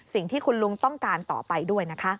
สิ่งที่คุณลุงต้องการต่อไปด้วยนะคะ